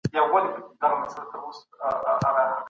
دا یو کیمیاوي توکي ترکیب دی.